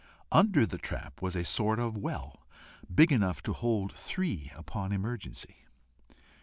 Under the trap was a sort of well, big enough to hold three upon emergency.